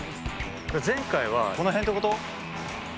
前回はこのへんってこと？